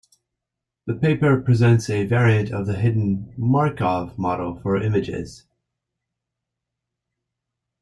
The paper presents a variant of a hidden Markov model for images.